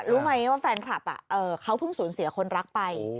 รู้ไหมว่าแฟนคลับเขาเพิ่งสูญเสียคนรักไป